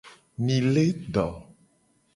Mi le do.